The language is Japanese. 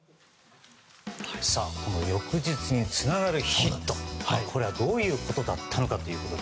翌日につながるヒットどういうことだったのか。